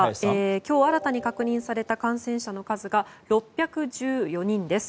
今日新たに確認された感染者の数は６１４人です。